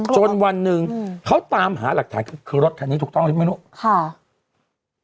จนวันนึงเขาตามหาหลักฐานคือรถคันนี้ถูกต้องหรือไม่รู้